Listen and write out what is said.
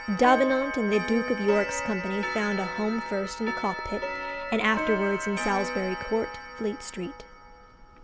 Davenant and the Duke of York's company found a home first in the Cockpit, and afterwards in Salisbury Court, Fleet Street.